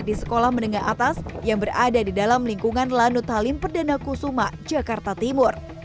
di sekolah menengah atas yang berada di dalam lingkungan lanut halim perdana kusuma jakarta timur